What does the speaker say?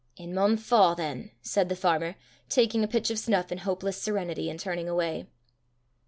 "It maun fa' than," said the farmer, taking a pinch of snuff in hopeless serenity, and turning away.